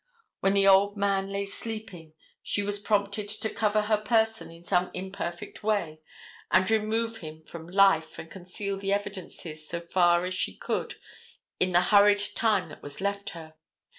When the old man lay sleeping she was prompted to cover her person in some imperfect way and remove him from life and conceal the evidences, so far as she could in the hurried time that was left her.